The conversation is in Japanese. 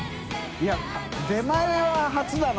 いや出前は初だな。